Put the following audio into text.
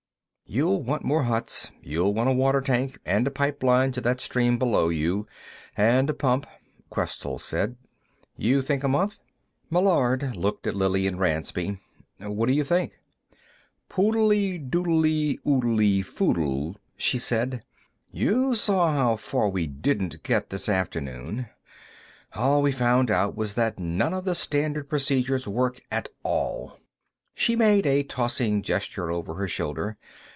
"] "You'll want more huts. You'll want a water tank, and a pipeline to that stream below you, and a pump," Questell said. "You think a month?" Meillard looked at Lillian Ransby. "What do you think?" "Poodly doodly oodly foodle," she said. "You saw how far we didn't get this afternoon. All we found out was that none of the standard procedures work at all." She made a tossing gesture over her shoulder.